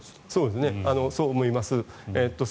そう思います。